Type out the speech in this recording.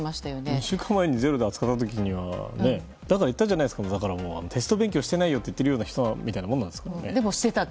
１週間前に「ｚｅｒｏ」で扱った時にはだから僕は言ったじゃないですかテスト勉強していないって言っているような人なんですよ。